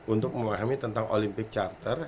untuk memahami tentang olympic charter